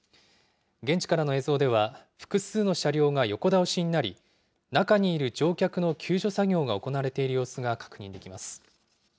現地からの映像では、複数の車両が横倒しになり、中にいる乗客の救助作業が行われている様子が確認できます。